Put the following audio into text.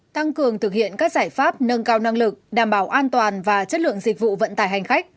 tăng cường thực hiện các giải pháp nâng cao năng lực đảm bảo an toàn và chất lượng dịch vụ vận tải hành khách